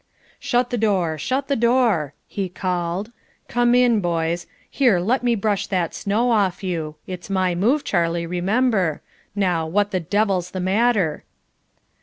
"Shut the door, shut the door!" he called. "Come in, boys; here, let me brush that snow off you it's my move Charlie, remember now, what the devil's the matter?"